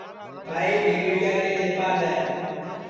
ٻائی دؔیگڑِیا کے لیپا دؔے